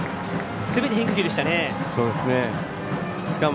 すべて変化球でしたね。